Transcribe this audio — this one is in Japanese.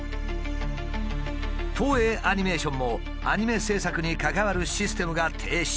東映アニメーションもアニメ制作に関わるシステムが停止。